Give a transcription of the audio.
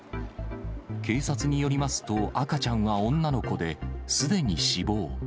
警察によりますと、赤ちゃんは女の子で、すでに死亡。